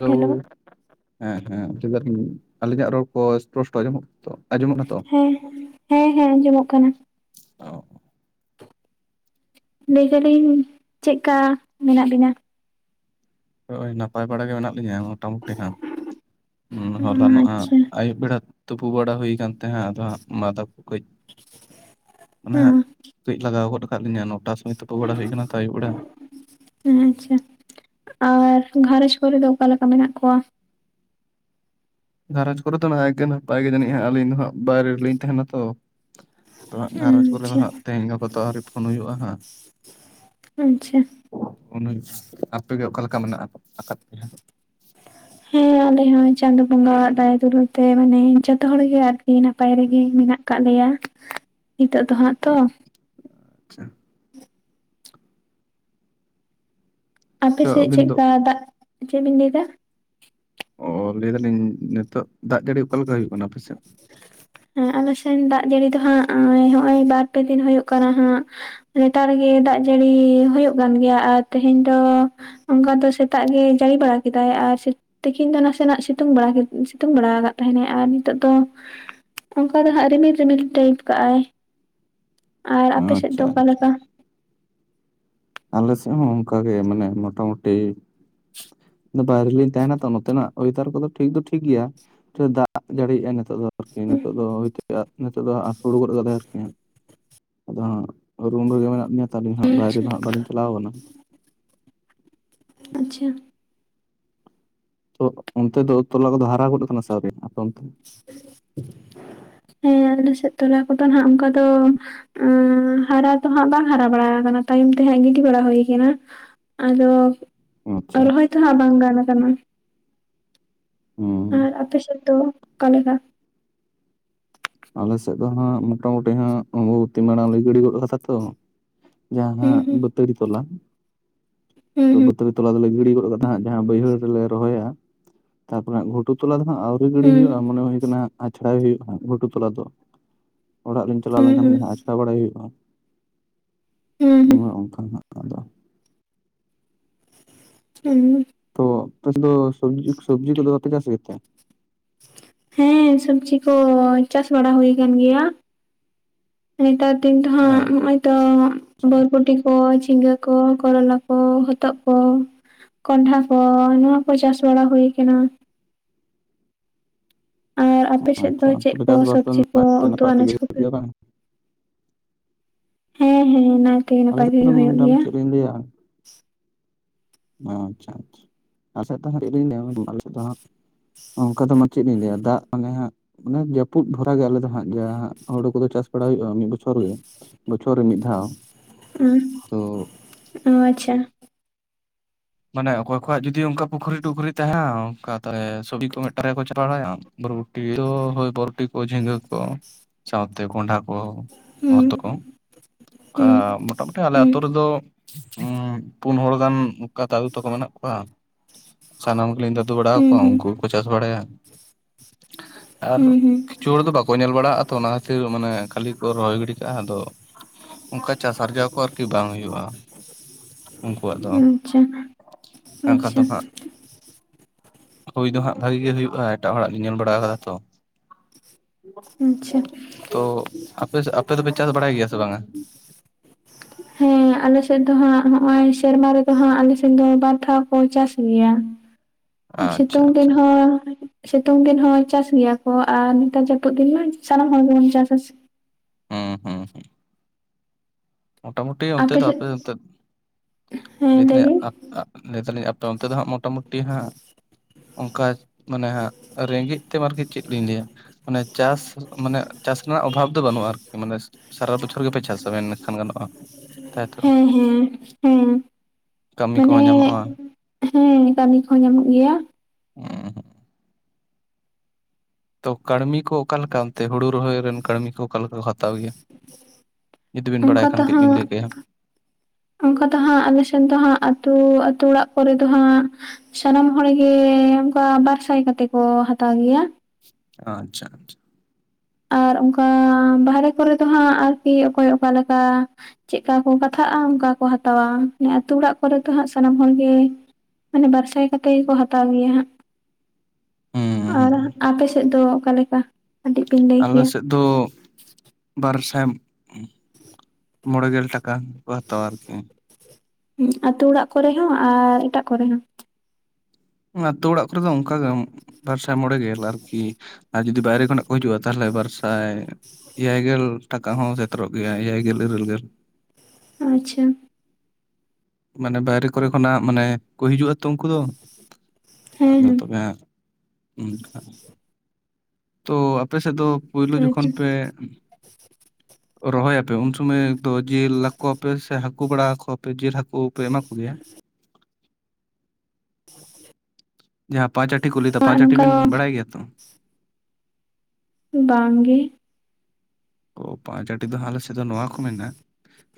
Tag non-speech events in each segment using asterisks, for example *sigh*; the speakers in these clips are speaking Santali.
ᱦᱮᱞᱳ ᱦᱮᱸ ᱦᱮᱸ ᱟᱹᱞᱤᱧᱟᱜ ᱨᱚᱲ ᱠᱚ ᱥᱯᱚᱥᱴᱚ ᱟᱧᱡᱚᱢᱚᱜ ᱠᱟᱱᱟ ᱛᱚ? ᱦᱮᱸ ᱦᱮᱸ ᱦᱮᱸ ᱟᱸᱡᱚᱢᱚᱜ ᱠᱟᱱᱟ ᱚ ᱞᱟᱹᱭ ᱮᱫᱟᱞᱤᱧ ᱪᱮᱫ ᱞᱮᱠᱟ ᱢᱮᱱᱟᱜ ᱵᱤᱱᱟ ᱱᱚᱜᱼᱚᱭ ᱱᱟᱯᱟᱭ ᱵᱟᱲᱟ ᱜᱮ ᱢᱮᱱᱟᱜ ᱞᱤᱧᱟᱹ ᱢᱳᱚᱴᱟᱢᱩᱴᱤ ᱦᱟᱸᱜ ᱦᱚᱞᱟᱱᱚᱜ ᱟᱪᱪᱷᱟ ᱟᱹᱭᱩᱵ ᱵᱮᱲᱟ ᱛᱩᱯᱩ ᱵᱟᱲᱟ ᱦᱩᱭ ᱟᱠᱟᱱᱟ ᱛᱟᱦᱮᱸ ᱠᱟᱱᱟ ᱟᱫᱚ ᱦᱟᱸᱜ ᱢᱟᱫᱟᱠᱚ ᱠᱟᱹᱡ ᱢᱟᱱᱮ ᱦᱟᱸᱜ ᱦᱮᱸ ᱠᱟᱹᱡ ᱞᱟᱜᱟᱣ ᱜᱚᱫ ᱟᱠᱟ ᱞᱤᱧᱟᱹ ᱱᱚᱴᱟ ᱥᱚᱢᱚᱭ ᱛᱚᱯᱩ ᱵᱟᱲᱟ ᱦᱩᱭ ᱟᱠᱟᱱᱟ ᱛᱚ ᱟᱹᱭᱩᱵ ᱵᱮᱲᱟ ᱟᱪᱪᱷᱟ ᱟᱨ ᱜᱷᱟᱨᱚᱡᱽ ᱠᱚᱨᱮ ᱫᱚ ᱚᱠᱟ ᱞᱮᱠᱟ ᱢᱮᱱᱟᱜ ᱠᱚᱣᱟ ᱜᱷᱟᱨᱚᱸᱡᱽ ᱠᱚᱨᱮ ᱫᱚ ᱱᱟᱭᱜᱮ ᱱᱟᱯᱟᱭ ᱜᱮ ᱡᱟᱹᱱᱤᱡ ᱟᱹᱞᱤᱧ ᱫᱚ ᱦᱟᱸᱜ ᱵᱟᱦᱨᱮ ᱨᱮ ᱞᱤᱧ ᱛᱟᱦᱮᱸᱱᱟ ᱛᱚ ᱟᱚᱜ ᱜᱷᱟᱨᱚᱡᱽ ᱠᱚᱨᱮ ᱫᱚ ᱟᱪᱪᱷᱟ ᱦᱟᱸᱜ ᱛᱮᱦᱧ ᱜᱟᱯᱟ ᱫᱚ ᱟᱹᱣᱨᱤ ᱯᱷᱳᱱ ᱦᱩᱭᱩᱜᱼᱟ ᱦᱟᱸᱜ ᱟᱪᱪᱷᱟ ᱩᱱ ᱟᱯᱮᱜᱮ ᱚᱠᱟᱞᱮᱠᱟ ᱢᱮᱱᱟᱜ ᱟᱠᱟᱫ ᱯᱮᱭᱟ ᱦᱟᱸᱜ? *inaudible* ᱦᱮᱸ ᱟᱞᱮ ᱦᱚᱸ ᱪᱟᱸᱫᱳ ᱵᱚᱸᱜᱟᱣᱟᱜ ᱫᱟᱭᱟ ᱫᱩᱞᱟᱹᱲ ᱛᱮ ᱢᱟᱱᱮ ᱡᱚᱛᱚ ᱦᱚᱲ ᱜᱮ ᱟᱨᱠᱤ ᱱᱟᱯᱟᱭ ᱨᱮᱜᱮ ᱢᱮᱱᱟᱜ ᱢᱮᱱᱟᱜ ᱟᱠᱟᱫ ᱞᱮᱭᱟ ᱱᱤᱛᱳᱜ ᱫᱚ ᱦᱟᱸᱜ ᱛᱚ ᱟᱪᱪᱷᱟ ᱪᱚ ᱟᱯᱮᱥᱮᱫ ᱟᱹᱵᱤᱱ ᱪᱮᱫ ᱫᱚ ᱞᱮᱠᱟ ᱫᱟᱜ ᱪᱮᱫ ᱵᱤᱱ ᱞᱟᱹᱭᱮᱫᱟ ᱚ ᱞᱟᱹᱭ ᱫᱟᱞᱤᱧ ᱱᱤᱛᱳ ᱫᱟᱜ ᱡᱟᱹᱲᱤ ᱚᱠᱟᱞᱮᱠᱟ ᱦᱩᱭᱩᱜ ᱠᱟᱱᱟ ᱟᱯᱮᱥᱮᱫ ᱦᱮᱸ ᱟᱞᱮ ᱥᱮᱱ ᱫᱟᱜ ᱡᱟᱹᱲᱤ ᱫᱚ ᱦᱟᱸᱜ ᱱᱚᱜᱼᱚᱭ ᱵᱟᱨ ᱯᱮ ᱫᱤᱱ ᱦᱩᱭᱩᱜ ᱠᱟᱱᱟ ᱦᱟᱸᱜ ᱱᱮᱛᱟᱨ ᱜᱮ ᱫᱟᱜ ᱡᱟᱹᱲᱤ ᱦᱩᱭᱩᱜ ᱠᱟᱱ ᱜᱮᱭᱟ ᱟᱨ ᱛᱮᱦᱮᱧ ᱫᱚ ᱚᱱᱠᱟ ᱫᱚ ᱥᱮᱛᱟᱜ ᱜᱮ ᱡᱟᱹᱲᱤ ᱵᱟᱲᱟ ᱠᱮᱫᱟᱭ ᱟᱨ ᱛᱤᱠᱤᱱ ᱫᱚ ᱱᱟᱥᱮᱱᱟᱜ ᱥᱤᱛᱩᱝ ᱥᱤᱛᱩᱝ ᱵᱟᱲᱟ ᱟᱠᱟᱫ ᱛᱟᱦᱮᱱᱟᱭ ᱟᱨ ᱱᱤᱛᱚᱜ ᱫᱚ ᱚᱱᱠᱟ ᱫᱚ ᱦᱟᱸᱜ ᱨᱤᱢᱤᱞ ᱨᱤᱢᱤᱞ ᱴᱟᱭᱤᱯ ᱠᱟᱜᱼ ᱟᱭ ᱟᱨ ᱟᱯᱮ ᱥᱮᱫ ᱫᱚ ᱟᱪᱪᱷᱟ ᱚᱠᱟᱞᱮ ᱟᱪᱪᱷᱟ ᱞᱮᱠᱟ ᱟᱞᱮ ᱥᱮᱫ ᱦᱚᱸ ᱚᱱᱠᱟ ᱜᱮ ᱢᱟᱱᱮ ᱢᱚᱴᱟᱢᱩᱴᱤ ᱵᱟᱭᱨᱮ ᱨᱮ ᱞᱤᱧ ᱛᱟᱦᱮᱱᱟ ᱛᱚ ᱱᱚᱛᱮᱱᱟᱜ ᱚᱭᱟᱨ ᱠᱚᱫᱚ ᱴᱷᱤᱠ ᱫᱚ ᱴᱷᱤᱠ ᱜᱮᱭᱟ ᱫᱟᱜ ᱡᱟᱹᱲᱤᱼᱟ ᱱ ᱱᱤᱛ ᱫᱚ ᱟᱨᱠᱤ ᱱᱤᱛᱚᱜ ᱫᱚ ᱦᱚᱭ ᱱᱤᱛᱚᱜ ᱫᱚ ᱦᱟᱸᱥᱩᱲ ᱜᱚᱫ ᱠᱟᱫᱟᱭ ᱟᱨᱠᱤ ᱟᱫᱚ ᱦᱟᱸᱜ ᱨᱩᱢ ᱨᱮᱜᱮ ᱢᱮᱱᱟᱜ ᱞᱤᱧᱟ ᱛᱟᱦᱞᱮ ᱦᱟᱸᱜ ᱵᱟᱭᱨᱮ ᱨᱮ ᱟᱪᱪᱷᱟ ᱫᱚ ᱦᱟᱸᱜ ᱵᱟᱹᱞᱤᱧ ᱪᱟᱞᱟᱣ ᱠᱟᱱᱟ ᱟᱪᱪᱷᱟ ᱛᱚ ᱚᱱᱛᱮ ᱫᱚ ᱛᱚᱞᱟ ᱠᱚᱫᱚ ᱦᱟᱨᱟ ᱜᱚᱫᱚᱜ ᱠᱟᱱᱟ ᱥᱮ ᱟᱣᱨᱤ ᱚᱱᱛᱮ ᱦᱮᱸ ᱟᱞᱮ ᱥᱮᱫ ᱛᱚᱞᱟ ᱠᱚᱫᱚ ᱱᱟᱜ ᱚᱱᱠᱟ ᱫᱚ ᱦᱟᱨᱟ ᱫᱚᱦᱟᱸᱜ ᱵᱟᱝ ᱦᱟᱨᱟ ᱵᱟᱲᱟ ᱠᱟᱱᱟ ᱛᱟᱭᱚᱢ ᱛᱮᱦᱟᱸᱜ ᱜᱤᱰᱤ ᱵᱟᱲᱟ ᱦᱩᱭ ᱠᱟᱱᱟ ᱟᱫᱚ ᱟᱪᱪᱷᱟ ᱨᱚᱦᱚᱭ ᱫᱚ ᱦᱟᱸᱟᱜ ᱵᱟᱝ ᱜᱟᱱ ᱟᱠᱟᱱᱟ ᱦᱩᱸ ᱟᱨ ᱟᱯᱮ ᱥᱮᱫ ᱫᱚ ᱚᱠᱟᱞᱮᱠᱟ ᱟᱞᱮ ᱥᱮᱫ ᱫᱚ ᱦᱟᱸᱜ ᱢᱚᱴᱟᱢᱩᱴᱤ ᱦᱟᱸᱜ ᱵᱩᱦᱩᱫ ᱫᱤᱱ ᱢᱟᱲᱟᱝ ᱞᱮ ᱜᱤᱰᱤ ᱜᱚᱫ ᱠᱟᱫᱟ ᱛᱚ ᱦᱩᱸ ᱡᱟᱦᱟᱸ ᱦᱩᱸ ᱵᱟᱹᱛᱟᱹᱲᱤ ᱛᱚᱞᱟ ᱛᱚ ᱦᱩᱸ ᱵᱟᱹᱛᱟᱹᱲᱤ ᱛᱚᱞᱟ ᱫᱚᱞᱮ ᱜᱤᱲᱤ ᱜᱚᱫ ᱠᱟ ᱦᱟᱸᱟᱜ ᱡᱟᱦᱟᱸ ᱵᱟᱹᱭᱦᱟᱹᱲ ᱨᱮᱞᱮ ᱨᱚᱦᱚᱭᱟ ᱛᱟᱯᱚᱨᱮᱜᱷᱩᱴᱩ ᱛᱚᱞᱟ ᱫᱚ ᱦᱟᱸᱜ ᱟᱹᱣᱨᱤ ᱜᱤᱲᱤ ᱦᱩᱸ ᱦᱩᱭᱩᱜᱼᱟ ᱢᱚᱱᱮ ᱦᱩᱭ ᱠᱟᱱᱟ ᱟᱪᱷᱲᱟᱭ ᱦᱩᱭᱩᱜᱼᱟᱟᱸᱜ ᱜᱷᱩᱴᱩ ᱛᱚᱞᱟ ᱫᱚ ᱚᱲᱟᱜᱤᱧ ᱦᱩᱸ ᱪᱟᱞᱟᱣ ᱞᱮᱱᱠᱷᱟᱱ ᱦᱩᱸ ᱜᱮ ᱦᱟᱸᱜ ᱟ ᱵᱟᱲᱟᱭ ᱦᱩᱭᱩᱜᱼᱟ ᱦᱩᱸ ᱦᱩᱸ ᱱᱚ ᱝᱠᱟᱱᱟᱜ ᱟᱫᱚ ᱦᱩᱸ ᱛᱚ ᱟᱯᱮ ᱥᱮᱫ ᱫᱚ ᱥᱚᱵᱡᱤ ᱥᱚᱵᱡᱤ ᱠᱚᱫᱚ ᱵᱟᱯᱮ ᱪᱟᱥ ᱜᱮᱛᱮ ᱦᱮᱸ ᱥᱚᱵᱡᱤ ᱠᱚ ᱪᱟᱥ ᱵᱟᱲᱟ ᱦᱩᱭ ᱟᱠᱟᱱ ᱜᱮᱭᱟ ᱱᱮᱛᱟᱨ ᱫᱤᱱ ᱫᱚ ᱟᱪᱪᱷᱟ ᱦᱟᱸᱜ ᱛᱚ ᱵᱳᱨᱵᱳᱴᱤ ᱠᱚ ᱡᱷᱤᱸᱜᱟᱹ ᱠᱚ ᱠᱚᱨᱚᱞᱟ ᱠᱚ ᱦᱚᱛᱚᱫ ᱠᱚ ᱠᱚᱚᱱᱰᱷᱟ ᱠᱚ ᱱᱚᱶᱟ ᱠᱚ ᱪᱟᱥ ᱵᱟᱲᱟ ᱦᱩᱭ ᱟᱠᱟᱱᱟ ᱟᱨ ᱟᱯᱮᱥᱮᱫ ᱫᱚ ᱟᱪᱪᱷᱟ ᱪᱮᱫ ᱛᱚᱵᱮ ᱠᱚ ᱪᱟᱥᱵᱟᱥ ᱫᱚ ᱥᱚᱵᱽᱡᱤ ᱠᱚ ᱱᱟᱭᱛᱮ ᱩᱛᱩ ᱱᱟᱯᱟᱭ ᱛᱮᱜᱮ ᱟᱱᱟᱡ ᱦᱩᱭᱩᱜ ᱠᱚᱯᱮ ᱜᱮᱭᱟ ᱵᱟᱝ ᱦᱮᱸ ᱦᱮᱸ ᱱᱟᱭᱛᱮ ᱟᱞᱮ ᱱᱟᱯᱟᱭ ᱜᱮ ᱥᱮᱫ ᱫᱚ ᱦᱩᱭᱩᱜ ᱜᱮᱭᱟ *unintelligible* ᱟᱪᱪᱷᱟ ᱟᱪᱪᱷᱟ ᱟᱞ *unintelligible* ᱫᱚ ᱦᱟᱸᱜ ᱚᱱᱠᱟ ᱫᱚ ᱢᱟ ᱪᱮᱫ ᱤᱧ ᱞᱟᱹᱭᱟ ᱫᱟᱜ ᱢᱟᱱᱮ ᱦᱟᱸᱜ ᱢᱟᱱᱮ ᱡᱟᱹᱯᱩᱫ ᱵᱷᱚᱨᱟ ᱜᱮ ᱟᱞᱮ ᱫᱚ ᱦᱟᱸᱜ ᱦᱩᱲᱩ ᱠᱚᱫᱚ ᱪᱟᱥ ᱵᱟᱲᱟ ᱦᱩᱭᱩᱜᱼᱟ ᱢᱤᱫ ᱵᱚᱪᱷᱚᱨ ᱵᱚᱪᱷᱚᱨ ᱨᱮ ᱵᱚᱪᱷᱚᱨ ᱨᱮ ᱢᱤᱫ ᱫᱷᱟᱣ ᱛᱚ ᱟᱪᱪᱷᱟ ᱢᱟᱱᱮ ᱚᱠᱚᱭ ᱠᱚᱣᱟᱜ ᱡᱩᱫᱤ ᱚᱱᱠᱟ ᱯᱩᱠᱷᱨᱤ ᱴᱩᱠᱷᱨᱤ ᱛᱟᱦᱮᱸᱱᱟ ᱚᱱᱠᱟ ᱛᱟᱦᱞᱮ ᱪᱚᱵᱤ ᱠᱚ ᱢᱤᱫᱴᱟᱝ ᱨᱮᱠᱚ ᱪᱟᱥ ᱵᱟᱲᱟᱭᱟ ᱵᱳᱨᱵᱳᱴᱤ ᱫᱚ ᱦᱳᱭ ᱵᱩᱨᱵᱩᱴᱤ ᱠᱚ ᱡᱷᱤᱸᱜᱟᱹ ᱠᱚ ᱥᱟᱶᱛᱮ ᱠᱚᱚᱱᱰᱷᱟ ᱠᱚ ᱦᱩᱸ ᱦᱚᱛᱚᱫᱠᱚ ᱦᱩᱸ ᱢᱳᱴᱟᱢᱩᱴᱤ ᱟᱞᱮ ᱦᱩᱸ ᱟᱹᱛᱩ ᱨᱮᱫᱚ ᱩ ᱯᱚᱱᱦᱚᱲ ᱜᱟᱱ ᱚᱱᱠᱟ ᱫᱟᱫᱩ ᱛᱟᱠᱚ ᱢᱮᱱᱟᱜ ᱠᱚᱣᱟ ᱥᱟᱱᱟᱢ ᱜᱮᱞᱤᱧ ᱫᱟᱫᱩ ᱵᱟᱲᱟᱣᱟᱠᱚᱣᱟ ᱦᱩᱸ ᱩᱱᱠᱩ ᱪᱟᱥ ᱵᱟᱲᱟᱭ ᱟᱨ ᱦᱩᱸ ᱦᱩᱸ ᱠᱤᱪᱷᱩ ᱦᱚᱲ ᱫᱚ ᱵᱟᱠᱚ ᱧᱮᱞ ᱵᱟᱲᱟᱜᱼᱟ ᱛᱚ ᱚᱱᱟ ᱠᱷᱟᱹᱛᱤᱨ ᱢᱟᱱᱮ ᱠᱷᱟᱹᱞᱤ ᱠᱚ ᱨᱚᱦᱚᱭ ᱜᱤᱰᱤ ᱠᱟᱜᱼᱟ ᱟᱫᱚ ᱾ ᱚᱝᱠᱟ ᱪᱟᱥ ᱟᱨᱡᱟᱣ ᱠᱚ ᱟᱨᱠᱤ ᱵᱟᱝ ᱦᱩᱭᱩᱜᱼᱟ ᱩᱱᱠᱩᱣᱟᱜ ᱫᱚ *unintelligible* ᱟᱱᱠᱟ ᱟᱪᱪᱷᱟ ᱫᱚ ᱦᱟᱜ ᱦᱩᱭ ᱫᱚ ᱦᱟᱸᱜ ᱵᱷᱟᱜᱤ ᱜᱮ ᱦᱩᱭᱩᱜᱼᱟ ᱮᱴᱟᱜ ᱦᱚᱲᱟᱜ ᱞᱤᱧ ᱧᱮᱞ ᱵᱟᱲᱟ ᱠᱟᱫᱟ ᱛᱚ ᱾ ᱟᱪᱪᱷᱟ ᱛᱚ ᱟᱯᱮ ᱟᱯᱮ ᱫᱚᱯᱮ ᱪᱟᱥ ᱵᱟᱲᱟᱭ ᱜᱮᱭᱟ ᱥᱮ ᱵᱟᱝᱼᱟ? *inaudible* ᱦᱮᱸ ᱟᱞᱮᱥᱮᱫ ᱫᱚ ᱦᱟᱸᱜ ᱱᱚᱜᱚᱭ ᱥᱮᱨᱢᱟ ᱨᱮᱫᱚ ᱦᱟᱸᱜ ᱟᱞᱮᱥᱮᱫ ᱫᱚ ᱵᱟᱨ ᱫᱷᱟᱣ ᱠᱚ ᱪᱟᱥ ᱜᱮᱭᱟ ᱾ ᱟᱪᱪᱷᱟ ᱥᱤᱛᱩᱝ ᱫᱤᱱ ᱟᱪᱪᱷᱟ ᱦᱚᱸ ᱥᱤᱛᱩᱝ ᱫᱤᱱ ᱦᱚᱸ ᱪᱟᱥ ᱜᱮᱭᱟ ᱠᱚ ᱟᱨ ᱱᱮᱛᱟᱨ ᱡᱟᱹᱯᱩᱫ ᱫᱤᱱ ᱢᱟ ᱥᱟᱱᱟᱢ ᱦᱚᱲ ᱜᱮᱵᱚᱱ ᱪᱟᱥᱟ ᱦᱩᱸ ᱦᱩᱸ ᱢᱳᱴᱟᱢᱩᱴᱤ ᱚᱱᱛᱮ ᱫᱚ ᱟᱯᱮ ᱚᱱᱛᱮᱜ ᱦᱮᱸ ᱞᱟᱹᱭ ᱵᱤᱱ ᱞᱟᱹᱭ ᱫᱟᱞᱤᱧ ᱟᱯᱮ ᱚᱱᱛᱮ ᱫᱚ ᱦᱟᱸᱜ ᱢᱚᱴᱟᱢᱩᱴᱤ ᱦᱟᱸᱜ ᱚᱱᱠᱟᱡ ᱢᱟᱱᱮ ᱦᱟᱸᱜ ᱨᱮᱸᱜᱮᱡ ᱛᱮᱢ ᱟᱨᱠᱤ ᱪᱮᱫ ᱞᱤᱧ ᱞᱟᱹᱭᱟ ᱾ ᱢᱟᱱᱮ ᱪᱟᱥ ᱢᱟᱱᱮ ᱪᱟᱥ ᱨᱮᱱᱟᱜ ᱚᱵᱷᱟᱵ ᱫᱚ ᱵᱟᱹᱱᱩᱜᱼᱟ ᱟᱨᱠᱤ ᱢᱟᱱᱮ ᱥᱟᱨᱟ ᱵᱚᱪᱷᱚᱨ ᱜᱮᱯᱮ ᱪᱟᱥᱟ ᱢᱮᱱ ᱠᱷᱟᱱ ᱜᱟᱱᱚᱜᱼᱟ ᱛᱟᱭᱛᱚ ᱦᱮᱸ ᱦᱮᱸ ᱦᱮᱸ ᱠᱟᱹᱢᱤ ᱢᱟᱱᱮ ᱠᱚᱦᱚᱸ ᱧᱟᱢᱚᱜᱼᱟ ᱦᱮᱸ ᱠᱟᱹᱢᱤ ᱠᱚᱦᱚᱸ ᱧᱟᱢᱚᱜ ᱜᱮᱭᱟ ᱩᱸ ᱛᱚ ᱠᱟᱹᱲᱢᱤ ᱠᱚ ᱚᱠᱟᱞᱮᱠᱟ ᱚᱱᱛᱮ ᱦᱩᱲᱩ ᱨᱚᱦᱚᱭ ᱨᱮᱱ ᱠᱟᱹᱲᱢᱤ ᱠᱚ ᱚᱠᱟ ᱞᱮᱠᱟ ᱠᱚ ᱦᱟᱛᱟᱣ ᱜᱮᱭᱟ ᱾ ᱡᱩᱫᱤ ᱵᱤᱱ ᱚᱱᱠᱟ ᱵᱟᱲᱟᱭ ᱠᱷᱟᱱ ᱠᱟᱹᱡ ᱵᱤᱱ ᱞᱟᱹᱭ ᱠᱮᱭᱟ ᱾ ᱚᱝᱠᱟ ᱫᱚ ᱦᱟᱸᱜ ᱟᱞᱮᱥᱮᱱ ᱫᱚ ᱦᱟᱸᱜ ᱟᱹᱛᱩ ᱟᱹᱛᱩ ᱚᱲᱟᱜ ᱠᱚᱨᱮ ᱫᱚ ᱦᱟᱸᱜ ᱥᱟᱱᱟᱢ ᱦᱚᱲ ᱜᱮ ᱚᱱᱠᱟ ᱵᱟᱨ ᱥᱟᱭ ᱠᱟᱛᱮᱜ ᱠᱚ ᱦᱟᱛᱟᱣ ᱜᱮᱭᱟ ᱟᱪᱪᱷᱟ ᱟᱪᱪᱷᱟ ᱟᱨ ᱚᱝᱠᱟ ᱵᱟᱦᱨᱮ ᱠᱚᱨᱮ ᱫᱚ ᱦᱟᱸᱜ ᱟᱨᱠᱤ ᱚᱠᱚᱭ ᱚᱠᱟ ᱞᱮᱠᱟ ᱾ ᱪᱮᱜᱠᱟ ᱠᱚ ᱠᱟᱛᱷᱟᱜᱼᱟ ᱚᱱᱠᱟ ᱠᱚ ᱦᱟᱛᱟᱣᱟ ᱟᱹᱛᱩ ᱚᱲᱟᱜ ᱠᱚᱨᱮ ᱫᱚ ᱦᱟᱸᱜ ᱥᱟᱱᱟᱢ ᱦᱚᱲᱜᱮ ᱢᱟᱱᱮ ᱵᱟᱨᱥᱟᱭ ᱠᱟᱛᱮᱜ ᱜᱮᱠᱚ ᱦᱟᱛᱟᱣ ᱜᱮᱭᱟ ᱦᱟᱸᱜ ᱾ ᱦᱩᱸ ᱟᱨ ᱦᱩᱸ ᱟᱯᱮ ᱥᱮᱫ ᱫᱚ ᱚᱠᱟ ᱞᱮᱠᱟ ᱟᱞᱮ ᱥᱮᱫ ᱫᱚ ᱵᱟᱨ ᱥᱟᱭ *inaudible* ᱢᱚᱬᱮ ᱜᱮᱞ ᱴᱟᱠᱟ ᱠᱚ ᱦᱟᱛᱟᱣᱟ ᱟᱨᱠᱤ ᱦᱩᱸ ᱟᱹᱛᱩ ᱚᱲᱟᱜ ᱠᱚᱨᱮ ᱦᱚᱸ ᱟᱨ ᱮᱴᱟᱜ ᱠᱚᱨᱮ ᱦᱚᱸ ᱟᱹᱛᱩ ᱚᱲᱟᱜ ᱠᱚᱨᱮ ᱫᱚ ᱚᱱᱠᱟᱜᱮᱢ ᱵᱟᱨᱥᱟᱭ ᱢᱚᱬᱮ ᱜᱮᱞ ᱟᱨᱠᱤ ᱟᱨ ᱡᱩᱫᱤ ᱵᱟᱭᱨᱮ ᱠᱷᱚᱱᱟᱜ ᱠᱚ ᱦᱤᱡᱩᱜᱼᱟ ᱛᱟᱦᱚᱞᱮ ᱵᱟᱨ ᱥᱟᱭ ᱮᱭᱟᱭ ᱜᱮᱞ ᱴᱟᱠᱟ ᱦᱚᱸ ᱥᱮᱛᱮᱨᱚᱜ ᱜᱮᱭᱟ ᱮᱭᱟᱭ ᱜᱮᱞ ᱤᱨᱟᱹᱞ ᱜᱮᱞ ᱟᱪᱪᱷᱟ ᱢᱟᱱᱮ ᱵᱟᱭᱨᱮ ᱠᱚᱨᱮ ᱠᱷᱚᱱᱟᱜ ᱢᱟᱱᱮ ᱠᱚ ᱦᱤᱡᱩᱜᱼᱟ ᱛᱚ ᱩᱱᱠᱩ ᱫᱚ ᱟᱫᱚ ᱦᱮᱸ ᱛᱚᱵᱮ ᱛᱳ ᱟᱯᱮ ᱥᱮᱫ ᱫᱚ ᱯᱳᱭᱞᱳ ᱦᱮᱸ ᱡᱚᱠᱷᱚᱱ ᱟᱪᱪᱷᱟ ᱯᱮ ᱨᱚᱦᱚᱭ ᱟᱯᱮ ᱩᱱ ᱥᱩᱢᱚᱭ ᱫᱚ ᱡᱤᱞ ᱞᱟᱠᱚᱣᱟ ᱯᱮᱥ ᱦᱟᱹᱠᱩ ᱵᱟᱲᱟ ᱟᱠᱚᱣᱟᱯᱮ ᱡᱤᱞ ᱦᱟᱹᱠᱩ ᱯᱮ ᱮᱢᱟ ᱠᱚᱜᱮᱭᱟ ᱡᱟᱦᱟᱸ ᱯᱟᱸᱪ ᱟᱴᱤᱷᱤ ᱠᱚ ᱞᱟᱹᱭᱫᱟ ᱦᱟᱸᱜ ᱯᱟᱸᱪ ᱟᱴᱤᱷᱤ ᱱᱚᱝᱠᱟ ᱵᱤᱱ ᱵᱟᱲᱟᱭ ᱜᱮᱭᱟ ᱛᱚ ᱵᱟᱝ ᱜᱮ ᱚ ᱯᱟᱸᱪᱟᱴᱤ ᱫᱚ ᱟᱞᱮ ᱥᱮᱫ ᱫᱚ ᱱᱚᱣᱟ ᱠᱚ ᱢᱮᱱᱟ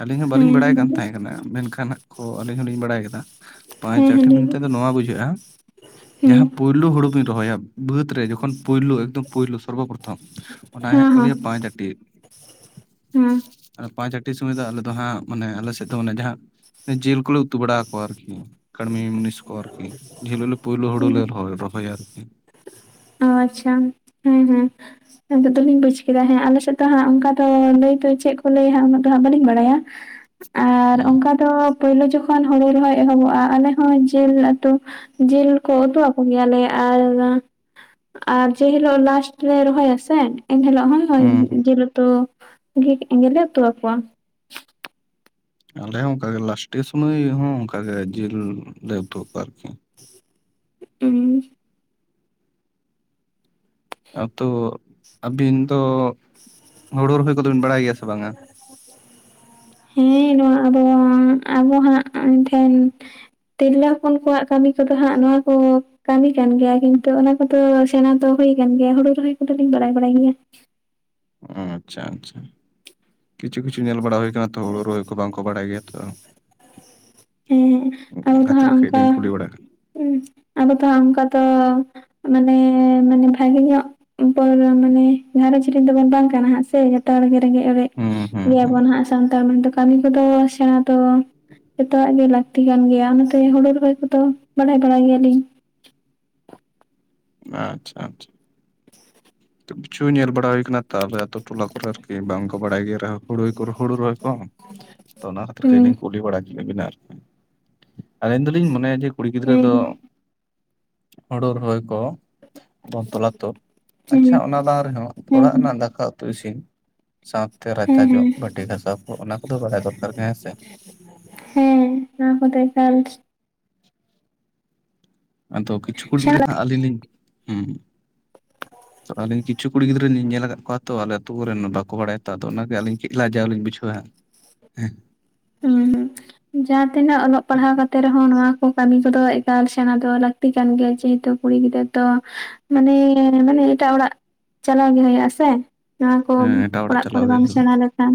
ᱟᱹᱞᱤᱧ ᱦᱚᱸ ᱵᱟᱹᱞᱤᱧ ᱦᱮᱸ ᱵᱟᱲᱟᱭ ᱦᱮᱸ ᱦᱮᱸ ᱠᱟᱱ ᱞᱟᱹᱭ ᱛᱟᱦᱮᱸ ᱠᱟᱱᱟ ᱢᱮᱱᱠᱷᱟᱱ ᱦᱟᱜ ᱠᱚ ᱟᱹᱞᱤᱧ ᱦᱚᱸᱞᱤᱧ ᱵᱟᱲᱟᱭ ᱠᱮᱫᱟ ᱯᱟᱸᱪ ᱟᱴᱷᱤ ᱢᱮᱱᱛᱮ ᱫᱚ ᱱᱚᱣᱟ ᱵᱩᱡᱷᱟᱹᱜᱼᱟ ᱦᱩᱸ ᱯᱩᱭᱞᱩ ᱦᱩᱲᱩ ᱵᱤᱱ ᱨᱚᱦᱚᱭᱟ ᱵᱟᱹᱫᱽ ᱨᱮ ᱡᱚᱠᱷᱚᱱ ᱯᱩᱭᱞᱩ ᱮᱠᱫᱚᱢ ᱯᱩᱭᱞᱳ ᱥᱚᱨᱵᱚ ᱯᱨᱚᱛᱷᱚᱢ ᱚᱱᱟ ᱦᱮᱡ ᱦᱮᱸ ᱠᱚ ᱞᱟᱹᱭᱟ ᱯᱟᱸᱪᱟᱴᱤ ᱾ ᱦᱮᱸ ᱯᱟᱸᱪ ᱟᱴᱤ ᱥᱚᱢᱚᱭ ᱫᱚ ᱟᱞᱮ ᱫᱚ ᱦᱟᱸᱜ ᱢᱟᱱᱮ ᱟᱞᱮ ᱥᱮᱫ ᱢᱟᱱᱮ ᱡᱟᱦᱟᱸ ᱡᱤᱞ ᱠᱚᱞᱮ ᱩᱛᱩ ᱵᱟᱲᱟᱣᱟ ᱟᱨᱠᱤ ᱠᱟᱢᱤ ᱢᱚᱱᱤᱥᱠᱚ ᱟᱨᱠᱤ ᱡᱷᱞ ᱞᱮ ᱯᱳᱭᱞᱩ ᱦᱩᱲᱩ ᱦᱮᱸ ᱞᱮ ᱨᱚᱦᱚᱭ ᱟᱨᱠᱤ ᱚ ᱟᱪᱪᱷᱟ ᱦᱮᱸ ᱦᱮᱸ ᱫᱚᱞᱤᱧ ᱵᱩᱡ ᱠᱮᱫᱟ ᱦᱮᱸ ᱟᱞᱮ ᱥᱮᱫ ᱫᱚ ᱦᱟᱸᱜ ᱚᱱᱠᱟ ᱫᱚ ᱞᱟᱹᱭ ᱫᱚ ᱪᱮᱫ ᱠᱚ ᱞᱟᱭ ᱦᱟᱸᱜ ᱫᱚᱦᱟᱜ ᱵᱟᱹᱞᱤᱧ ᱵᱟᱲᱟᱭᱟ᱾ ᱟᱨ ᱦᱩᱸ ᱚᱱᱠᱟ ᱫᱚ ᱯᱳᱭᱞᱳ ᱡᱚᱠᱷᱚᱱ ᱦᱳᱲᱳ ᱨᱚᱦᱚᱭ ᱮᱦᱚᱵᱚᱜᱼᱟ ᱟᱞᱮ ᱦᱚᱸ ᱡᱤᱞ ᱩᱛᱩ ᱡᱤᱞ ᱠᱚ ᱩᱛᱩ ᱟᱠᱚ ᱜᱮᱭᱟ ᱞᱮ ᱟᱨ ᱟᱨ ᱡᱮ ᱦᱤᱞᱳᱜ ᱞᱟᱥᱴ ᱨᱮ ᱨᱚᱦᱚᱭᱟᱥᱮ ᱮᱱᱦᱤᱞᱳᱜ ᱦᱚᱸ ᱦᱩᱸ ᱦᱩᱸ ᱡᱤᱞ ᱩᱛᱩ ᱜᱮᱞᱮ ᱩᱛᱩ ᱟᱠᱚᱣᱟ ᱟᱞᱮ ᱦᱚᱸ ᱚᱱᱠᱟᱜᱮ ᱞᱟᱥᱴᱮ ᱥᱩᱢᱟᱹᱭ ᱦᱚᱸ ᱚᱱᱠᱟᱜᱮ ᱡᱤᱞ ᱞᱮ ᱩᱛᱩᱜ ᱟᱠ ᱠᱚᱣᱟ ᱟᱨᱠᱤ *inaudible* ᱟᱛᱩ ᱟᱹᱵᱤᱱ ᱫᱚ ᱦᱳᱲᱳ ᱨᱚᱦᱚᱭ ᱠᱚᱫᱚ ᱵᱤᱱ ᱵᱟᱲᱟᱭ ᱜᱮᱭᱟ ᱥᱮ ᱵᱟᱝᱟ ᱦᱮᱸ ᱱᱚᱣᱟ ᱟᱵᱚ ᱟᱵᱚ ᱦᱟᱸᱜ ᱴᱷᱮᱱ ᱛᱤᱨᱞᱟᱹ ᱦᱚᱯᱚᱱ ᱠᱚᱣᱟᱜ ᱠᱟᱹᱢᱤ ᱠᱚᱫᱚ ᱦᱟᱸᱜ ᱱᱚᱣᱟ ᱠᱚ ᱠᱟᱹᱢᱤ ᱠᱟᱱ ᱜᱮᱭᱟ ᱠᱤᱱᱛᱩ ᱚᱱᱟ ᱠᱚᱫᱚ ᱥᱮᱬᱟ ᱫᱚ ᱦᱩᱭ ᱠᱟᱱ ᱜᱮᱭᱟ ᱦᱩᱲᱩ ᱨᱚᱦᱚᱭ ᱠᱚᱫᱚᱞᱤᱧ ᱵᱟᱲᱟᱭ ᱵᱟᱲᱟᱭ ᱜᱮᱭᱟ᱾ ᱚ ᱟᱪᱪᱷᱟ ᱟᱪᱪᱷᱟ ᱠᱤᱪᱷᱩ ᱠᱤᱪᱷᱩ ᱧᱮᱞ ᱵᱟᱲᱟ ᱦᱩᱭᱩ ᱟᱠᱟᱱᱟ ᱛᱚ ᱦᱩᱲᱩ ᱨᱚᱦᱚᱭ ᱠᱚ ᱵᱟᱝ ᱵᱟᱲᱟᱭ ᱜᱮᱭᱟ ᱛᱚ ᱦᱮᱸ ᱟᱵᱚ ᱫᱚ ᱦᱟᱸᱜ ᱠᱷᱟᱹᱛᱤᱨ ᱠᱟᱹᱡ ᱚᱱᱠᱟ ᱞᱤᱧ ᱠᱩᱞᱤ ᱵᱟᱲᱟ ᱠᱮᱫ᱾ ᱟᱵᱚ ᱫᱚ ᱦᱟᱸᱜ ᱚᱱᱠᱟ ᱫᱚ ᱢᱟᱱᱮ ᱢᱟᱱᱮ ᱵᱷᱟᱜᱮ ᱧᱚᱜ ᱯᱚᱨ ᱢᱟᱱᱮ ᱜᱷᱟᱨᱚᱸᱧᱡᱽ ᱨᱮᱱ ᱫᱚᱵᱚᱱ ᱵᱟᱝ ᱠᱟᱱᱟ ᱦᱟᱜ ᱥᱮ ᱥᱟᱱᱛᱟᱲ ᱜᱮ ᱨᱮᱸᱜᱮᱡ ᱲᱮᱡ ᱦᱩᱸ ᱦᱩᱸ ᱦᱩᱸ ᱜᱮᱭᱟᱵᱚᱱ ᱱᱟᱜ ᱥᱟᱱᱛᱟᱲ ᱢᱮᱱᱛᱮ ᱠᱟᱹᱢᱤ ᱠᱚᱫᱚ ᱥᱮᱬᱟ ᱫᱚ ᱡᱚᱛᱚ ᱣᱟᱜ ᱜᱮ ᱞᱟᱹᱠᱛᱤ ᱠᱟᱱ ᱜᱮᱭᱟ ᱚᱱᱟᱛᱮ ᱦᱩᱲᱩ ᱨᱚᱦᱚᱭ ᱠᱚᱫᱚ ᱵᱟᱲᱟᱭ ᱵᱟᱲᱟᱭ ᱜᱮᱭᱟ ᱞᱤᱧ ᱟᱪᱪᱷᱟ ᱟᱪᱪᱷᱟ ᱦ *unintelligible* ᱠᱤᱪᱷᱩ ᱧᱮᱞ ᱵᱟᱲᱟ ᱦᱩᱭᱟᱱᱟ ᱛᱚ ᱟᱞᱮ ᱟᱹᱛᱩᱳ ᱴᱚᱞᱟ ᱠᱚᱨᱮ ᱟᱨᱠᱤ ᱵᱟᱝᱠᱚ ᱵᱟᱲᱟᱭ ᱜᱮᱭᱟ᱾ ᱦᱩᱲᱩ ᱦᱩᱲᱩ ᱨᱚᱦᱚᱭ ᱠᱚ ᱛᱚ ᱚᱱᱟ ᱠᱷᱟᱹᱛᱤᱨ ᱦᱩᱸ ᱛᱮᱞᱤᱧ ᱠᱩᱞᱤ ᱵᱟᱲᱟ ᱠᱮᱫᱤᱧ ᱵᱮᱱᱟ ᱟᱨᱠᱤ ᱟᱹᱞᱤᱧ ᱫᱚᱞᱤᱧ ᱢᱚᱱᱮᱭᱟ ᱡᱮ ᱠᱩᱲᱤ ᱜᱤᱫᱽᱨᱟᱹ ᱦᱮᱸ ᱫᱚ ᱦᱩᱲᱩ ᱨᱚᱦᱚᱭ ᱠᱚ ᱵᱚᱱ ᱛᱚᱞᱟ ᱛᱳᱫ ᱦᱮᱸ ᱟᱪᱪᱷᱟ ᱚᱱᱟ ᱵᱟᱝ ᱨᱮᱦᱚᱸ ᱦᱮᱸ ᱦᱮᱸ ᱚᱲᱟᱜ ᱨᱮᱱᱟᱜ ᱫᱟᱠᱟ ᱩᱛᱩ ᱤᱥᱤᱱ ᱥᱟᱶᱛᱮ ᱨᱟᱪᱟ ᱦᱮᱸ ᱦᱮᱸ ᱡᱚᱜ ᱵᱟᱹᱴᱤ ᱜᱷᱟᱥᱟᱣ ᱠᱚ ᱚᱱᱟ ᱠᱚᱫᱚ ᱵᱟᱲᱟᱭ ᱫᱚᱨᱠᱟᱨ ᱜᱮ ᱦᱮᱸ ᱥᱮ *unintelligible* ᱦᱮᱸ ᱚᱱᱟ ᱮᱠᱟᱞ ᱟᱫᱚ ᱠᱤᱪᱷᱩ ᱠᱩᱲᱤ ᱥᱮᱬᱟ ᱜᱤᱫᱽᱨᱟᱹ ᱦᱟᱜ ᱟᱹᱞᱤᱧ ᱞᱤᱧ ᱦᱮᱸ *unintelligible* ᱚᱛ ᱟᱹᱞᱤᱧ ᱠᱤᱪᱷᱩ ᱠᱩᱲᱤ ᱜᱤᱫᱽᱨᱟᱹ ᱞᱤᱧ ᱧᱮᱞ ᱟᱠᱟᱫ ᱠᱚᱣᱟ ᱛᱚ ᱟᱞᱮ ᱟᱹᱛᱩ ᱠᱚᱨᱮᱱ ᱵᱟᱠᱚ ᱵᱟᱲᱟᱭᱟ ᱟᱫᱚ ᱚᱱᱟᱜ ᱟᱹᱞᱤᱧ ᱞᱟᱡᱟᱣ ᱞᱤᱧ ᱵᱩᱷᱟᱹᱣᱟᱸᱜ ᱦᱮᱸ ᱦᱩᱸ ᱦᱩᱸ ᱡᱟᱦᱟᱸ ᱛᱤᱱᱟᱹᱜ ᱚᱞᱚᱜ ᱦᱮᱸ ᱯᱟᱲᱦᱟᱣ ᱠᱟᱛᱮ ᱨᱮᱦᱚᱸ ᱱᱚᱣᱟ ᱠᱚ ᱠᱟᱹᱢᱤ ᱠᱚᱫᱚ ᱮᱠᱟᱞ ᱥᱮᱬᱟ ᱫᱚ ᱞᱟᱹᱠᱛᱤ ᱠᱟᱱ ᱜᱮᱭᱟ ᱡᱮᱦᱮᱛᱩ ᱠᱩᱲᱤ ᱜᱤᱫᱽᱨᱟᱹ ᱫᱚ ᱢᱟᱱᱮ ᱢᱟᱱᱮ ᱮᱴᱟᱜ ᱚᱲᱟᱜ ᱪᱟᱞᱟᱣ ᱜᱮ ᱦᱩᱭᱩᱜᱼᱟ ᱥᱮ ᱱᱚᱣᱟ ᱠᱚ ᱮᱴᱟᱜ ᱚᱲᱟᱜ ᱠᱚᱨᱮ ᱪᱟᱞᱟᱣ ᱜᱮ ᱵᱟᱢ ᱦᱩᱭᱩᱜᱼᱟ ᱥᱮᱬᱟ ᱞᱮᱠᱷᱟᱱ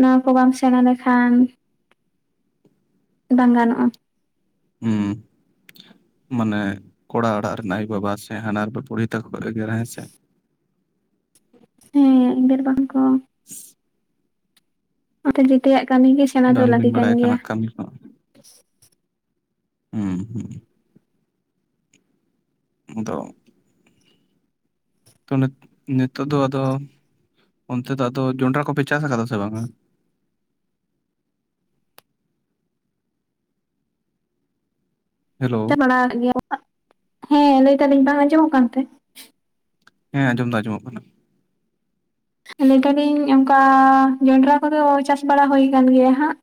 ᱱᱚᱣᱟ ᱠᱚ ᱵᱟᱢ ᱥᱮᱬᱟ ᱞᱮᱠᱷᱟᱱ ᱵᱟᱝ ᱜᱟᱱᱚᱜᱼᱟ ᱦᱮᱸ ᱢᱟᱱᱮ ᱠᱚᱲᱟ ᱚᱲᱟᱜ ᱨᱮᱱ ᱟᱭᱳᱼᱵᱟᱵᱟ ᱥᱮ ᱦᱟᱱᱟᱦᱟᱨ ᱵᱩᱲᱦᱤ ᱛᱟᱠᱚ ᱮᱜᱮᱨ ᱦᱮᱸ ᱥᱮ *inaudible* ᱦᱮᱸ ᱮᱜᱮᱨ ᱵᱟᱝ ᱠᱚ *unintelligible* ᱚᱱᱟᱚᱛᱮ ᱡᱮᱛᱮᱭᱟᱜ ᱠᱟᱹᱢᱤ ᱜᱮ ᱥᱮᱬᱟ ᱫᱚ ᱵᱟᱝᱵᱤᱱ ᱞᱟᱹᱠᱛᱤ ᱠᱟᱱ ᱵᱟᱲᱟᱭ ᱜᱮᱭᱟ ᱠᱟᱱᱟ ᱠᱟᱹᱢᱤ ᱠᱚ ᱦᱮᱸᱦᱮᱸ ᱟᱫᱚ ᱛᱚ ᱱᱤᱛᱚᱜ ᱫᱚ ᱟᱫᱚ ᱚᱱᱛᱮ ᱫᱚ ᱟᱫᱚ ᱡᱚᱱᱰᱨᱟ ᱠᱚᱯᱮ ᱪᱟᱥ ᱟᱠᱟᱫᱟ ᱥᱮ ᱵᱟᱝᱟ᱾ ᱦᱮᱞᱳ ᱵᱟᱲᱟ ᱜᱮᱭᱟ *unintelligible* ᱦᱮᱸ ᱞᱟᱹᱭ ᱫᱟᱞᱤᱧ ᱵᱟᱝ ᱟᱸᱡᱚᱢᱚᱜ ᱠᱟᱱᱛᱮ ᱦᱮᱸ ᱟᱸᱡᱚᱢ ᱫᱚ ᱟᱸᱡᱚᱢᱚᱜ ᱠᱟᱱᱟ᱾ ᱟᱹᱞᱤᱞ ᱫᱟᱞᱤᱧ ᱚᱱᱠᱟ ᱡᱚᱱᱰᱨᱟ ᱠᱚᱫᱚ ᱪᱟᱥ ᱵᱟᱲᱟ ᱦᱩᱭ ᱟᱠᱟᱱ ᱜᱮᱭᱟ ᱦᱟᱸᱜ᱾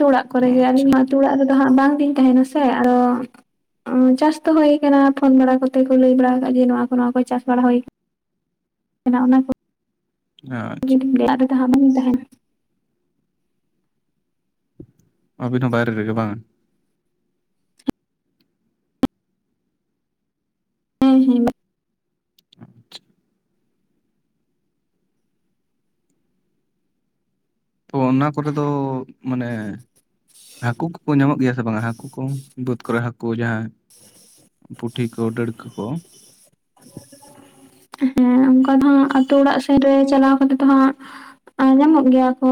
ᱟᱹᱛᱩ ᱚᱲᱟᱜ ᱠᱚᱨᱮᱜᱮ ᱟᱹᱞᱤᱧ ᱟᱪᱪᱷᱟ ᱢᱟ ᱟᱹᱛᱩ ᱚᱲᱟᱜ ᱨᱮᱫᱚ ᱦᱟᱸᱜ ᱵᱟᱝᱞᱤᱧ ᱛᱟᱦᱮᱸᱱᱟ ᱥᱮ ᱟᱫᱚ ᱪᱟᱥ ᱫᱚ ᱦᱩᱭ ᱟᱠᱟᱱᱟ ᱯᱷᱳᱱ ᱵᱟᱲᱟ ᱠᱟᱛᱮ ᱠᱚ ᱞᱟᱹᱭ ᱵᱟᱲᱟ ᱟᱠᱟᱫᱞᱮᱭᱟ ᱡᱮ ᱱᱚᱣᱟ ᱠᱚ ᱱᱚᱣᱟ ᱠᱚ ᱪᱟᱥ ᱵᱟᱲᱟ ᱦᱩᱭ ᱟᱠᱟᱱᱟ᱾ ᱚᱱᱟ ᱚᱱᱟ ᱠᱚ ᱟᱪᱪᱷᱟ *unintelligible* ᱛᱟᱦᱮᱱᱟ? ᱚᱵᱤ ᱦᱚ ᱵᱟᱭᱨᱮ ᱨᱮᱜᱮ ᱵᱟᱝ? ᱦᱮᱸ ᱦᱮᱸ ᱟᱪᱪᱷᱟ ᱛᱚ ᱚᱱᱟ ᱠᱚᱨᱮ ᱫᱚ ᱢᱟᱱᱮ ᱦᱟᱹᱠᱩ ᱠᱚᱠᱚ ᱧᱟᱢᱚᱜ ᱜᱮᱭᱟ ᱥᱮ ᱵᱟᱝᱟ ᱦᱟᱹᱠᱩ ᱠᱚ, ᱵᱟᱹᱫᱽ ᱠᱚᱨᱮ ᱦᱟᱹᱠᱩ ᱡᱟᱦᱟᱸᱭ᱾ ᱯᱩᱴᱷᱤ ᱠᱚ ᱰᱟᱹᱲᱠᱟᱹ ᱠᱚ ᱦᱮᱸ ᱚᱱᱠᱟ ᱫᱚ ᱦᱟᱸᱜ ᱟᱛᱳ ᱚᱲᱟᱜ ᱥᱮᱫ ᱨᱮ ᱪᱟᱞᱟᱣ ᱠᱟᱛᱮᱜ ᱫᱚ ᱦᱟᱸᱜ ᱟᱨ ᱧᱟᱢᱚᱜ ᱜᱮᱭᱟ ᱠᱚ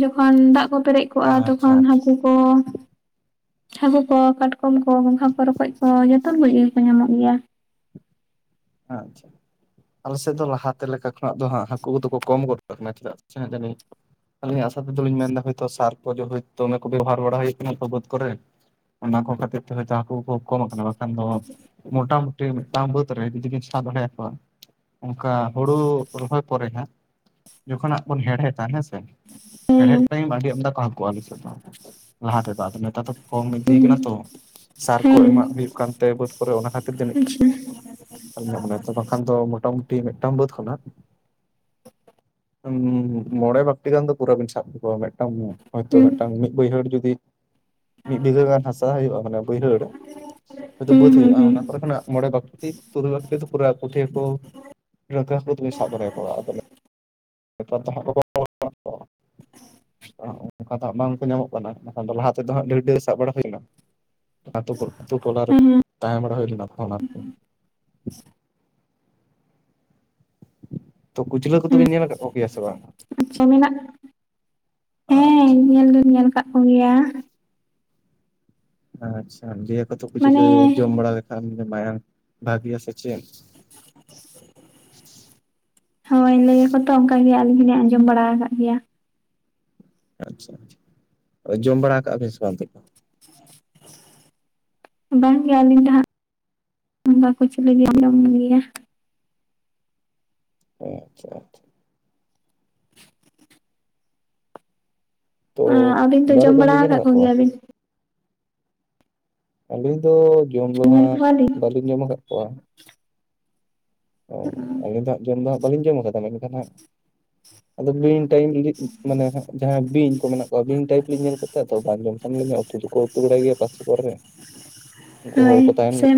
ᱡᱚᱠᱷᱚᱱ ᱫᱟᱜ ᱠᱚ ᱯᱮᱨᱮᱡ ᱛᱚᱠᱷᱚᱱ ᱟᱪᱪᱷᱟ ᱟᱪᱪᱷᱟ ᱦᱟᱹᱠᱩ ᱠᱚ ᱦᱟᱹᱠᱩ ᱠᱚ ᱠᱟᱴ ᱩᱱ ᱠᱚ ᱜᱚᱸᱜᱷᱟ ᱠᱚ ᱨᱚᱠᱚᱡ ᱠᱚ ᱡᱚᱛᱚ ᱠᱚ ᱜᱮᱠᱚ ᱧᱟᱢᱚᱜ ᱜᱮᱭᱟ ᱟᱪᱪᱷᱟ ᱟᱞᱮᱥᱮᱫ ᱫᱚ ᱞᱟᱦᱟᱛᱮ ᱞᱮᱠᱟ ᱠᱷᱚᱱᱟᱜ ᱫᱚ ᱦᱟᱹᱠᱩ ᱠᱚᱫᱚ ᱠᱚ ᱠᱚᱢ ᱜᱚᱫ ᱟᱠᱟᱱᱟ ᱪᱮᱫᱟᱜ? ᱪᱟᱫᱱᱤ ᱟᱞᱤᱧᱟᱜ ᱟᱥᱟ ᱛᱮᱫᱚᱞᱤᱧ ᱢᱮᱱᱫᱟ ᱦᱳᱭᱛᱚ ᱥᱟᱨ ᱠᱚ ᱫᱚᱢᱮ ᱠᱚ ᱵᱮᱵᱚᱦᱟᱨ ᱵᱟᱲᱟ ᱦᱩᱭᱩᱜ ᱠᱟᱱᱟ ᱵᱟᱹᱫᱽ ᱠᱚᱨᱮ᱾ ᱚᱱᱟ ᱠᱚ ᱠᱷᱟᱹᱛᱤᱨ ᱛᱮ ᱡᱟ ᱦᱟᱹᱠᱩ ᱠᱚ ᱠᱚᱢ ᱟᱠᱟᱱᱟ ᱵᱟᱠᱷᱟᱱ ᱫᱚ ᱢᱚᱴᱟᱢᱩᱴᱤ ᱢᱤᱫᱴᱟᱝ ᱵᱟᱹᱫᱽ ᱨᱮ ᱡᱩᱫᱤ ᱵᱤᱱ ᱥᱟᱵ ᱫᱟᱲᱮᱭᱟᱠᱚᱣᱟ ᱚᱱᱠᱟ ᱦᱩᱲᱩ ᱨᱚᱦᱚᱭ ᱯᱚᱨᱮ ᱦᱟᱸᱜ ᱡᱚᱠᱷᱚᱱᱟᱜ ᱵᱚᱱ ᱦᱮᱲᱦᱮᱫᱟ ᱦᱮᱸᱥᱮ ᱦᱮᱲᱦᱮᱫ ᱦᱮᱸ *unintelligible* ᱟᱹᱰᱤ ᱟᱢᱫᱟ ᱠᱚ ᱦᱟᱹᱠᱩ ᱟᱞᱮᱥᱮᱫ ᱫᱚ ᱞᱟᱦᱟ ᱛᱮᱫᱚ ᱟᱫᱚ ᱱᱮᱛᱟᱨ ᱫᱚ᱾ ᱠᱚᱢ ᱤᱫᱤ ᱦᱮᱸ ᱠᱟᱱᱟ ᱛᱚ ᱥᱟᱨ ᱠᱚ ᱦᱮᱸ ᱮᱢᱟᱜ ᱦᱩᱭᱩᱜ ᱠᱟᱱᱛᱮ ᱵᱟᱹᱫ ᱠᱚᱨᱮ ᱚᱱᱟ ᱠᱷᱟᱹᱛᱤᱨ ᱛᱮ ᱡᱤᱫ *unintelligible* ᱛᱚ ᱵᱟᱠᱷᱟᱱ ᱫᱚ ᱢᱚᱴᱟᱢᱩᱴᱤ ᱢᱤᱫᱴᱟᱝ ᱵᱟᱹᱫᱽ ᱠᱷᱚᱱᱟᱜ ᱢᱚᱬᱮ ᱵᱟᱹᱠᱴᱤ ᱜᱟᱱ ᱫᱚ ᱯᱩᱨᱟᱹ ᱵᱤᱱ ᱥᱟᱵᱠᱚᱣᱟ ᱢᱤᱫᱴᱟᱝ ᱦᱚᱭᱛᱳ ᱦᱮᱸ ᱢᱤᱫᱴᱟᱝ ᱢᱤᱫ ᱵᱟᱹᱭᱦᱟᱹᱲ ᱡᱩᱫᱤ ᱢᱤᱫ ᱵᱤᱜᱷᱟᱹ ᱜᱟᱱ ᱦᱟᱥᱟ ᱦᱩᱭᱩᱜ-ᱟ ᱢᱟᱱ ᱵᱟᱹᱭᱦᱟᱹᱲ ᱾ ᱦᱚᱭᱛᱳ ᱦᱮᱸ ᱵᱟᱹᱫ ᱦᱩᱭᱩᱜ-ᱟ ᱦᱮᱸ ᱚᱱᱟ ᱠᱷᱱᱟᱜ ᱢᱚᱬᱮ ᱵᱟᱹᱴᱤ ᱛᱩᱨᱩᱭ ᱵᱟᱴᱤ ᱫᱚ ᱚᱱᱰᱮ ᱠᱷᱚᱱᱟᱜ ᱢᱚᱬᱮ ᱵᱟᱠᱴᱤ ᱯᱩᱨᱟᱹ ᱯᱩᱴᱷᱤ ᱦᱟᱸᱠᱩ *unintelligible* ᱥᱟᱵ ᱫᱟᱲᱮᱭᱟᱠᱚᱣᱟ ᱟᱫᱚ ᱾ ᱱᱮᱛᱟᱨ ᱫᱚ *unintelligible* ᱟᱻ ᱚᱱᱠᱟ ᱫᱚ ᱦᱟᱜ ᱵᱟᱝᱠᱚ ᱧᱟᱢᱚᱜ ᱠᱟᱱᱟ ᱮᱠᱷᱟᱱ ᱫᱚ ᱞᱟᱦᱟ ᱛᱮᱫᱚ ᱦᱟᱜ ᱰᱷᱮᱨ ᱰᱷᱮᱨ ᱥᱟᱵ ᱵᱟᱲᱟ ᱦᱩᱭᱱᱟ᱾ ᱟᱛᱳ ᱴᱚᱞᱟᱨᱮ ᱛᱟᱦᱮ ᱵᱟᱲᱟ ᱦᱩᱭ ᱞᱮᱱᱟ ᱛᱚ᱾ ᱛᱚ ᱠᱩᱪᱞᱟᱹ ᱦᱮᱸ ᱠᱚᱫᱚᱵᱤᱱ ᱧᱮᱞ ᱟᱠᱟᱫ ᱠᱚᱜᱮᱭᱟ ᱥᱮ ᱵᱟᱝ᱾ ᱟᱪᱪᱷᱟ ᱢᱮᱱᱟᱜ ᱦᱮᱸ ᱟᱪᱪᱷᱟ ᱧᱮᱞ ᱫᱩᱧ ᱧᱮᱞ ᱟᱠᱟᱫ ᱠᱚᱜᱮᱭᱟ ᱾ ᱟᱪᱪᱷᱟ ᱞᱟᱹᱭᱟᱹ ᱟᱠᱚᱛᱚ ᱠᱩᱪᱞᱟᱹ ᱢᱟᱱᱮ ᱡᱚᱢ ᱵᱟᱲᱟ ᱞᱮᱠᱷᱟᱱ ᱢᱟᱭᱟᱢ ᱵᱷᱟᱹᱜᱮᱜᱼᱟ ᱥᱮ ᱪᱮᱫ? ᱦᱳᱭ ᱞᱟᱹᱭ ᱟᱠᱚ ᱛᱚ ᱚᱱᱠᱟ ᱜᱮ ᱟᱹᱞᱤᱧ ᱦᱚᱸᱞᱤᱧ ᱟᱸᱡᱚᱢ ᱵᱟᱲᱟ ᱟᱠᱟᱫ ᱜᱮᱭᱟ ᱾ ᱟᱪᱪᱷᱟ ᱟᱪᱪᱷᱟ ᱡᱚᱢ ᱵᱟᱲᱟ ᱠᱟᱜᱼᱟ ᱵᱤᱱ ᱥᱮ ᱵᱟᱝ ᱛᱚᱵᱮ? *inaudible* ᱵᱟᱝ ᱜᱮ ᱟᱹᱞᱤᱧ ᱫᱚ ᱦᱟᱸᱜ *unintelligible* ᱠᱩᱪᱞᱟᱹ ᱡᱤᱞ ᱞᱤᱧ ᱡᱚᱢ ᱜᱮᱭᱟ ᱾ ᱟᱪᱪᱷᱟ ᱟᱪᱪᱷᱟ ᱛᱚ ᱟᱹᱵᱤᱱ ᱫᱚ ᱡᱚᱢ ᱵᱟᱹᱨᱩ ᱫᱚᱢ ᱵᱟᱲᱟ ᱵᱤᱱ ᱧᱮᱞ ᱟᱠᱟᱫ ᱠᱚᱣᱟ? ᱠᱚᱜᱮᱭᱟ ᱵᱤᱱ? ᱟᱹᱞᱤᱧ ᱫᱚ ᱡᱚᱢ ᱫᱚ ᱧᱮᱞ ᱦᱟᱸᱜ ᱠᱚᱣᱟᱞᱤᱧ ᱵᱟᱹᱞᱤᱧ ᱡᱚᱢ ᱟᱠᱟᱫ ᱠᱚᱣᱟ ᱚ ᱟᱹᱞᱤᱧ ᱫᱚ ᱦᱟᱸᱜ ᱡᱚᱢ ᱫᱚ ᱦᱟᱜ ᱵᱟᱹᱞᱤᱧ ᱡᱚᱢ ᱠᱟᱫᱟ ᱢᱮᱱᱠᱷᱟᱱ ᱦᱟᱸᱜ ᱟᱫᱚ ᱵᱤᱧ ᱴᱟᱭᱤᱯ ᱢᱟᱱᱮ ᱡᱟᱦᱟᱸᱭ ᱵᱤᱧ ᱠᱚ ᱢᱮᱱᱟᱜ ᱠᱚᱣᱟ ᱵᱤᱧ ᱴᱟᱭᱤᱯ ᱞᱤᱧ ᱧᱮᱞ ᱠᱚᱛᱮ ᱟᱫᱚ ᱵᱟᱝ ᱡᱚᱢ ᱥᱟᱱᱟ ᱞᱤᱧᱟ ᱩᱛᱩ ᱫᱚᱠᱚ ᱩᱛᱩ ᱵᱟᱲᱟᱭ ᱜᱮᱭᱟ ᱯᱟᱥᱮ ᱠᱚᱨᱮ ᱩᱱᱠᱩ ᱦᱚᱲ ᱦᱳᱭ ᱠᱚ ᱛᱟᱦᱮᱸᱱ ᱜᱮ ᱥᱮ